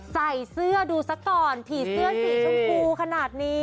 ใส่เสื้อดูซะก่อนผีเสื้อสีชมพูขนาดนี้